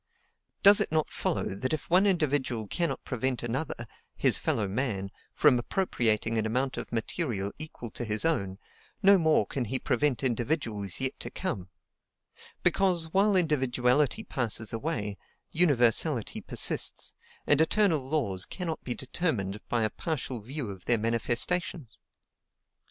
Does it not follow that if one individual cannot prevent another his fellow man from appropriating an amount of material equal to his own, no more can he prevent individuals yet to come; because, while individuality passes away, universality persists, and eternal laws cannot be determined by a partial view of their manifestations?